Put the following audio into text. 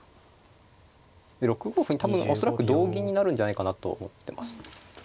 で６五歩に多分恐らく同銀になるんじゃないかなと思ってます。